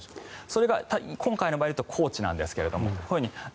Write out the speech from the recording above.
それが今回の場合だと高知なんですが。